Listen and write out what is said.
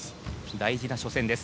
大事な初戦です。